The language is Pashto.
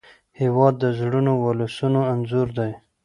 هېواد د زړورو ولسونو انځور دی.